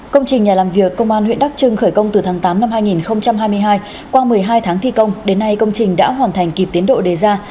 công trình nhà làm việc công an huyện đắc trưng khởi công từ tháng tám năm hai nghìn hai mươi hai qua một mươi hai tháng thi công đến nay công trình đã hoàn thành kịp tiến độ đề ra